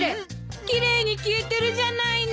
奇麗に消えてるじゃないの。